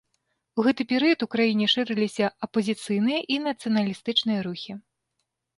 У гэты перыяд у краіне шырыліся апазіцыйныя і нацыяналістычныя рухі.